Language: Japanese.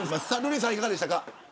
瑠麗さん、いかがでしたか。